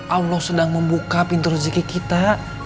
allah sedang membuka pintu rezeki kita